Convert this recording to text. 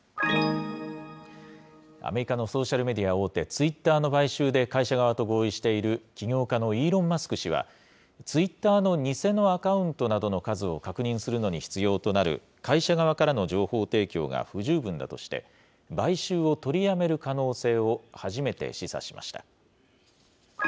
アメリカのソーシャルメディア大手、ツイッターの買収で会社側と合意している起業家のイーロン・マスク氏は、ツイッターの偽のアカウントなどの数を確認するのに必要となる会社側からの情報提供が不十分だとして、買収を取りやめる可能性を初めて示唆しました。